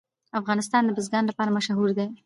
افغانستان د بزګان لپاره مشهور دی.